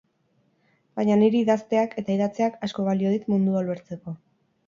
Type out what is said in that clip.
Baina niri idazteak, eta idatziak, asko balio dit mundua ulertzeko.